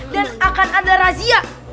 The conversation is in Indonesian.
dan akan ada razia